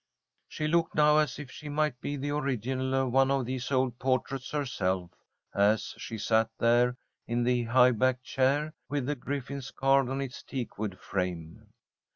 She looked now as if she might be the original of one of these old portraits herself, as she sat there in the high backed chair, with the griffins carved on its teakwood frame.